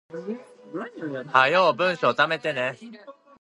早う文章溜めてね